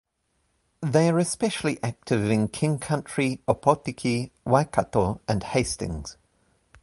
They are especially active in King Country, Opotiki, Waikato and Hastings.